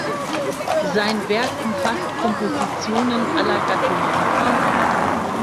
Sein Werk umfasst Kompositionen aller Gattungen.